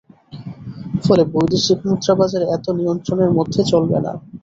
ফলে বৈদেশিক মুদ্রাবাজার এত নিয়ন্ত্রণের মধ্যে চলবে না।